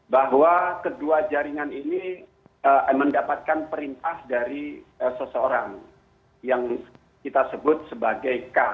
bahwa kedua jaringan ini mendapatkan perintah dari seseorang yang kita sebut sebagai k